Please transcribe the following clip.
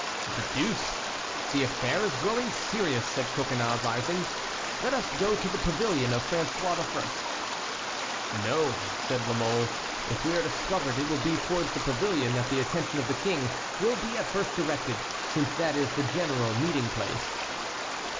'" "The deuce! the affair is growing serious," said Coconnas, rising. "Let us go to the pavilion of François I." "No," said La Mole; "if we are discovered it will be towards the pavilion that the attention of the King will be at first directed, since that is the general meeting place."